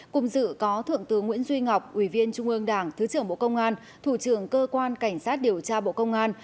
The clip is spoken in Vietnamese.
cùng dự có thượng tướng nguyễn duy ngọc ủy viên trung ương đảng thứ trưởng bộ công an thủ trưởng cơ quan cảnh sát điều tra bộ công an